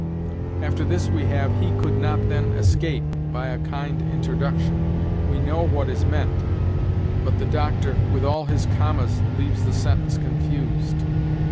After this we have, 'he could not then escape, by a kind introduction.' We know what is meant; but the Doctor, with all his commas, leaves the sentence confused.